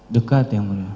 dekat ya mulia